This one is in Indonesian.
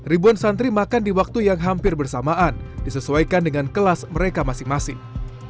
ribuan santri makan di waktu yang hampir bersamaan disesuaikan dengan kelas mereka masing masing